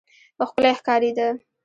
ښکلی ښکارېده.